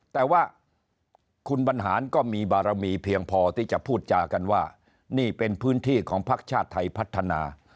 แต่ว่าคุณบรรหารก็มีบารมีเพียงพอที่จะพูดจากันว่านี่เป็นพื้นที่ของพักชาติไทยพัฒนา